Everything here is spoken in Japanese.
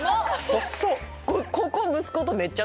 細っ！